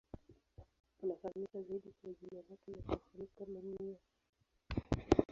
Anafahamika zaidi kwa jina lake la kisanii kama Ne-Yo.